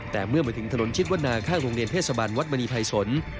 แต่เมื่อมาถึงถนนชิดวนาข้างโรงเรียนเทศบาลวัดมณีภัยสน